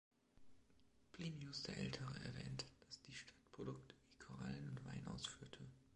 Plinius der Ältere erwähnt, dass die Stadt Produkte wie Korallen und Wein ausführte.